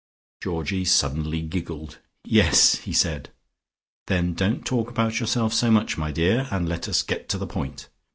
Georgie suddenly giggled. "Yes," he said. "Then don't talk about yourself so much, my dear, and let us get to the point.